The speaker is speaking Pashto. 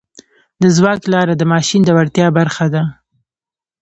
د ځواک لاره د ماشین د وړتیا برخه ده.